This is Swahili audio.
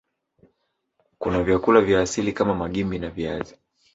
Kuna vyakula vya asili kama Magimbi na viazi